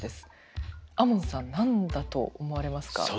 亞門さん何だと思われますか？